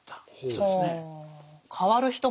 そうです。